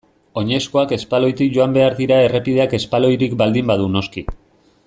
Oinezkoak espaloitik joan behar dira errepideak espaloirik baldin badu noski.